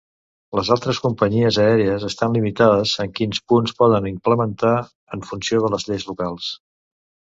Les altres companyies aèries estan limitades en quins punts poden implementar en funció de les lleis locals.